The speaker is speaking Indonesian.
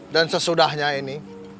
dan sesudahnya ini